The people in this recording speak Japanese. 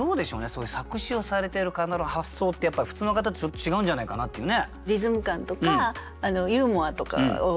そういう作詞をされてる方の発想ってやっぱり普通の方とちょっと違うんじゃないかなっていうね。と思います。